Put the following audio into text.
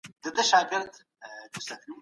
ښځه هم بايد د نکاحوو د تعدد په مصلحتونو وپوهيږي.